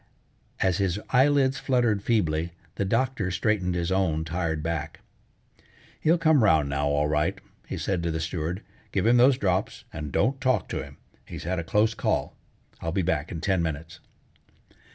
As his eyelids fluttered feebly, the doctor straightened his own tired back. "He'll come round now, all right," he said to the steward. "Give him those drops and don't talk to him. He's had a close call. I'll be back in ten minutes."